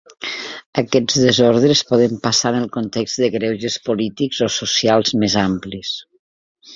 Aquests desordres poden passar en el context de greuges polítics o socials més amplis.